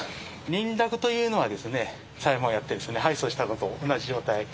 認諾というのはですね、裁判をやって敗訴したのと同じ状態。